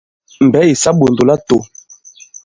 Mbɛ̌ ì sa i iɓòndò latō.